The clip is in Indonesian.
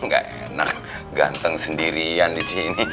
nggak enak ganteng sendirian di sini